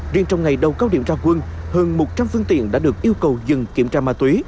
riêng trong ngày đầu cao điểm ra quân hơn một trăm linh phương tiện đã được yêu cầu dừng kiểm tra ma túy